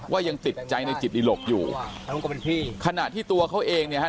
ยังติดใจในจิตดิหลกอยู่ขณะที่ตัวเขาเองเนี่ยฮะ